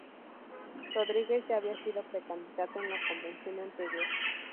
Rodríguez ya había sido precandidato en la convención anterior.